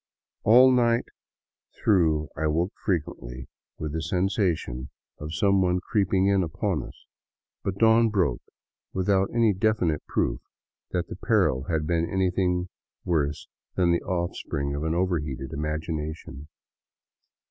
All the night through I woke frequently with the sensation 122 DOWN THE ANDES TO QUITO of some one creeping in upon us, but dawn broke without any defi nite proof that the peril had been anything worse than the offspring of an overheated imagination.